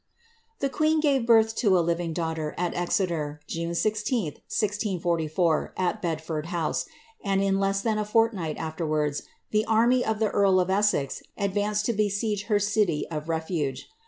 The queen gaTe birth to a living daughter, at Exeter, June 16, 1644, Bedford House, and in less than a fortnight aflerwards, the army ef e earl of Essex advanced to besiege her city of refuge.